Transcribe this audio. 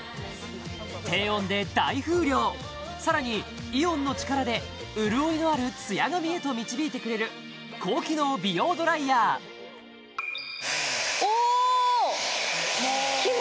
低温で大風量さらにイオンの力で潤いのあるツヤ髪へと導いてくれる高機能美容ドライヤーおお！